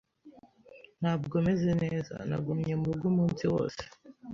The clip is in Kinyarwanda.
Ntabwo meze neza, nagumye murugo umunsi wose.